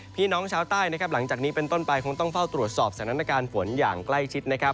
พี่น้องชาวใต้นะครับหลังจากนี้เป็นต้นไปคงต้องเฝ้าตรวจสอบสถานการณ์ฝนอย่างใกล้ชิดนะครับ